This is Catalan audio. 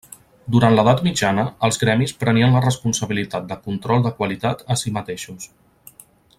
Durant l'edat mitjana, els gremis prenien la responsabilitat de control de qualitat a si mateixos.